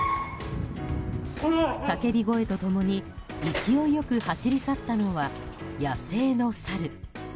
叫び声と共に勢いよく走り去ったのは野生のサル。